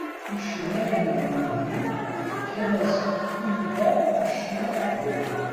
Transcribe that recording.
Icennayen-a n unebdu fkan-as tiyita i ccna aqbayli.